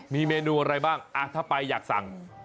มีเมนูอะไรบ้างถ้าไปอยากสั่ง